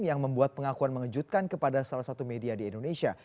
yang membuat pengakuan mengejutkan kepada salah satu media di indonesia